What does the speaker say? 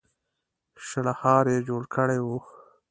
شړهار يې جوړ کړی و.